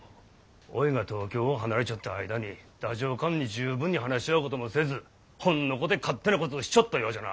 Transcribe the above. おいが東京を離れちょった間に太政官に十分に話し合うこともせずほんのこて勝手なこつをしちょったようじゃな。